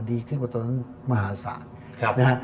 ดีขึ้นกว่าตอนนั้นมหาศาลนะฮะ